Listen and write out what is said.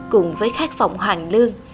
cùng với khát vọng hoàng lương